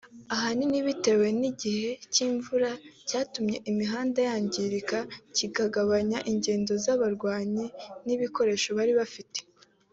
ahanini bitewe n’igihe cy’imvura cyatumye imihanda yangirika kikagabanya ingendo z’aba barwanyi n’ibikoresho bari bafite